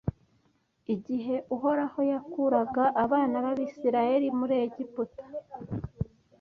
Igihe Uhoraho yakuraga abana b’Abisiraheli muri Egiputa,